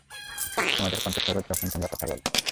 তোমাদের কণ্ঠস্বরও, যখন তোমরা কথা বলো।